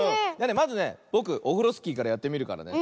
まずねぼくオフロスキーからやってみるからね。